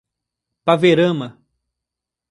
Paverama